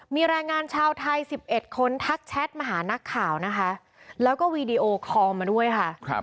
มีแรงงานชาวไทย๑๑คนทักแชทมาหานักข่าวนะคะแล้วก็วีดีโอคอลมาด้วยค่ะ